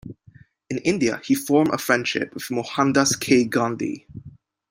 In India he formed a friendship with Mohandas K. Gandhi.